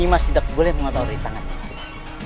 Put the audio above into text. imas tidak boleh mengotori tangan imas